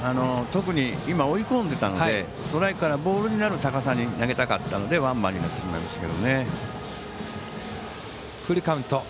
特に追い込んでたのでストライクからボールになる高さに投げたかったのでワンバンになってしまいましたけどね。